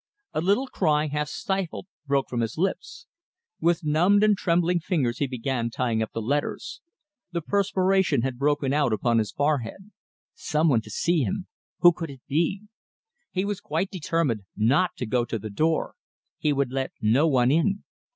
A little cry half stifled broke from his lips. With numbed and trembling fingers he began tying up the letters. The perspiration had broken out upon his forehead. Some one to see him! Who could it be? He was quite determined not to go to the door. He would let no one in.